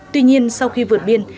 tuy nhiên sau khi vượt biên